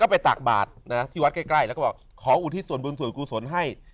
ก็ไปจักบาทใดใกล้แล้วก็ขออุทิศส่วนบึงส่วนครูสนให้